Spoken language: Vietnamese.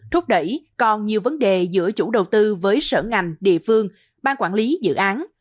thúc đẩy còn nhiều vấn đề giữa chủ đầu tư với sở ngành địa phương ban quản lý dự án